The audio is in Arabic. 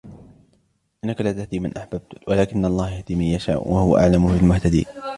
إِنَّكَ لَا تَهْدِي مَنْ أَحْبَبْتَ وَلَكِنَّ اللَّهَ يَهْدِي مَنْ يَشَاءُ وَهُوَ أَعْلَمُ بِالْمُهْتَدِينَ